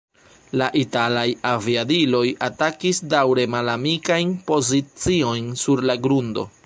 La italaj aviadiloj atakis daŭre malamikajn poziciojn sur la grundo.